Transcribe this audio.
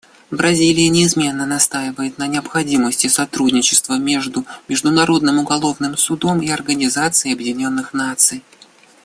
Бразилия неизменно настаивает на необходимости сотрудничества между Международным уголовным судом и Организацией Объединенных Наций.